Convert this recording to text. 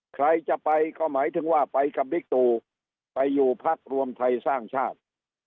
ใครจะไปก็หมายถึงว่าไปกับบิ๊กตูไปอยู่พักรวมไทยสร้างชาติ